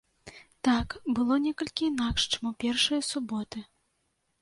Так, было некалькі інакш, чым у першыя суботы.